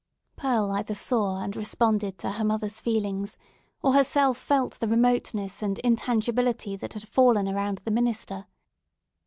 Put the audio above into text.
Pearl either saw and responded to her mother's feelings, or herself felt the remoteness and intangibility that had fallen around the minister.